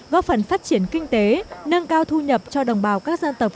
góp phần phát triển kinh tế nâng cao thu nhập cho đồng bào các dân tộc